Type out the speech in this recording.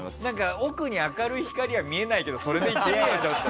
奥に明るい光は見えないけどそれで行ってみようよ。